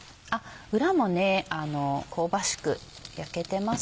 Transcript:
裏も香ばしく焼けてます